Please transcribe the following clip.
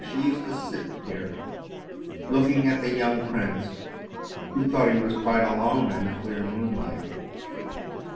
She used to sit here looking at the young prince who thought he was quite alone in the clear moonlight.